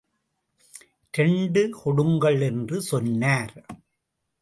இரண்டு கொடுங்கள் என்று சொன்னார்.